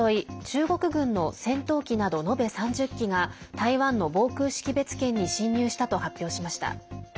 中国軍の戦闘機など延べ３０機が台湾の防空識別圏に進入したと発表しました。